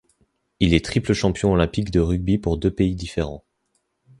Il est triple champion olympique de rugby pour deux pays différents.